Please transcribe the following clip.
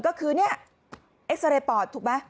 ก็คือเนี่ยเอ็กซาเรย์ปอดถูกไหม